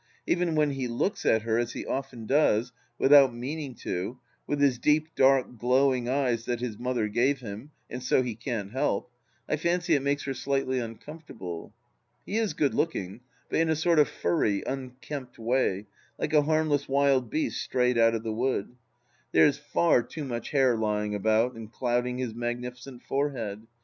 Even when he looks at her, as he often does, without meaning to, with his deep, dark, glowing eyes that his mother gave him and so he can't help, I fancy it makes her slightly uncomfortable. He is good looking, but in a sort of furry, unkempt way, like a harmless wild beast strayed out of the wood. There is far too much hair lying about and clouding his magnificent forehead.